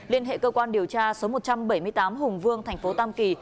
liên hệ cơ quan điều tra số một trăm bảy mươi tám hùng vương tp tam kỳ